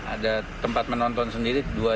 ada tempat menonton sendiri